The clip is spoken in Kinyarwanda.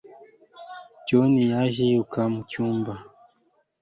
john yaje yiruka mu cyumba